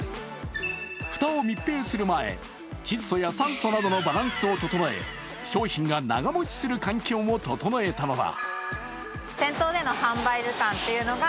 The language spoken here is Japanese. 蓋を密閉する前、窒素や酸素などのバランスを整え商品が長持ちする環境を整えたのだ。